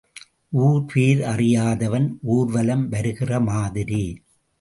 ஊர் பேர் அறியாதவன் ஊர்வலம் வருகிற மாதிரி.